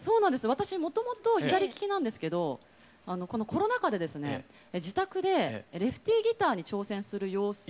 私もともと左利きなんですけどコロナ禍でですね自宅でレフティギターに挑戦する様子を。